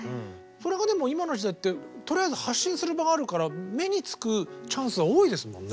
それがでも今の時代ってとりあえず発信する場があるから目に付くチャンスは多いですもんね。